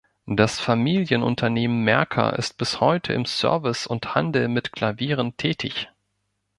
Das Familienunternehmen Maercker ist bis heute im Service und Handel mit Klavieren tätig.